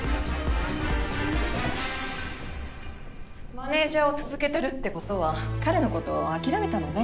マネージャーを続けてるってことは彼のこと諦めたのね。